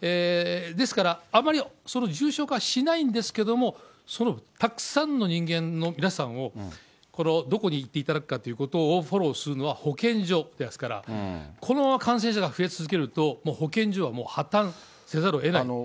ですから、あまり重症化しないんですけれども、そのたくさんの人間の皆さんを、どこにいていただくかということをフォローするのは保健所ですから、このまま感染者が増え続けると、もう保健所は破たんせざるをえない。